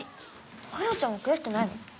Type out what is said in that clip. あやちゃんはくやしくないの？